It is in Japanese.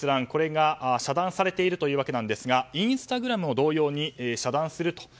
これが遮断されているというわけですがインスタグラムも同様に遮断すると。